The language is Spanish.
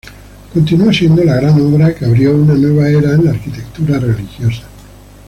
Continua siendo la gran obra que abrió una nueva era en la arquitectura religiosa.